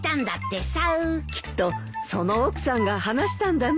きっとその奥さんが話したんだね。